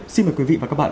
xin mời quý vị và các bạn